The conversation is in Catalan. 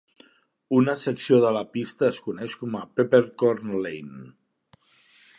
Una secció de la pista es coneix com a Peppercorn Lane.